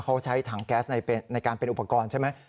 เขาใช้ถังแก๊สในการเป็นอุปกรณ์ใช่ไหม